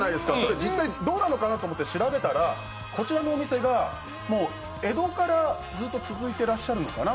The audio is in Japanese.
実際どうなのかなと思って調べたら、こちらのお店が江戸からずっと続いていらっしゃるのかな。